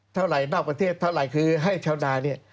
เท่าไหร่นอกประเทศเท่าไหร่คือให้ชาวนาเนี่ย